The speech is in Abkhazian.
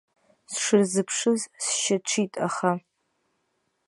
Сшырзыԥшыз сшьаҽит, аха.